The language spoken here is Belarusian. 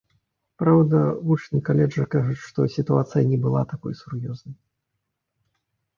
Праўда, вучні каледжа кажуць, што сітуацыя была не такой сур'ёзнай.